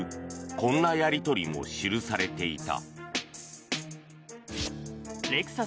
こんなやり取りも記されていた。